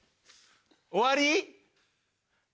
終わり？